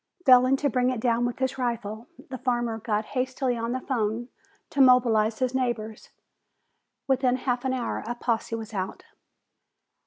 Failing to bring it down with his rifle, the farmer got hastily on the phone to mobilize his neighbors. Within half an hour a posse was out.